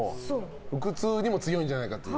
腹痛にも強いんじゃないかっていう。